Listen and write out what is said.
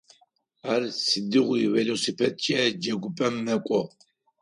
Ар сыдигъуи велосипедкӏэ джэгупӏэм мэкӏо.